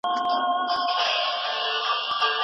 صدقه ورکول د انسان مصیبتونه دفع کوي.